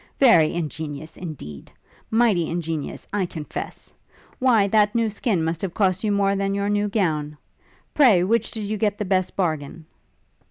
Very ingenious, indeed! mighty ingenious, I confess! Why that new skin must have cost you more than your new gown. Pray which did you get the best bargain?'